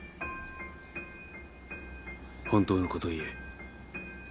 本当のこと言え。